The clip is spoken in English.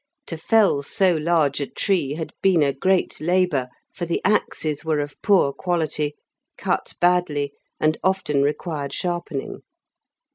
To fell so large a tree had been a great labour, for the axes were of poor quality, cut badly, and often required sharpening.